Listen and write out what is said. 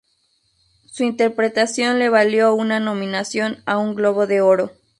Su interpretación le valió una nominación a un Globo de Oro.